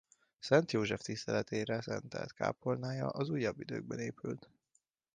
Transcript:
Szent József tiszteletére szentelt kápolnája az újabb időkben épült.